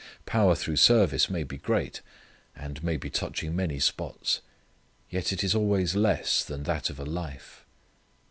Power through service may be great, and may be touching many spots, yet it is always less than that of a life.